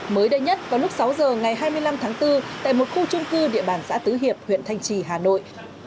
mới đây nhất vào lúc sáu giờ ngày hai mươi năm tháng bốn tại một khu trung cư địa bàn xã tứ hiệp huyện thanh trì hà nội